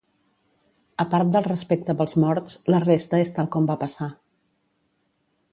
A part del respecte pels morts, la resta és tal com va passar.